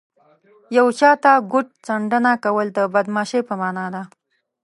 یو چاته ګوت څنډنه کول د بدماشۍ په مانا ده